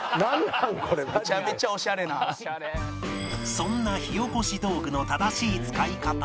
そんな火起こし道具の正しい使い方は